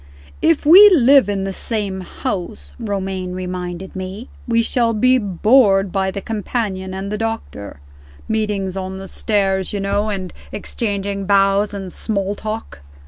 "If we live in the same house," Romayne reminded me, "we shall be bored by the companion and the doctor. Meetings on the stairs, you know, and exchanging bows and small talk."